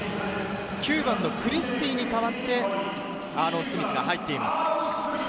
９番のクリスティに代わってアーロン・スミスが入っています。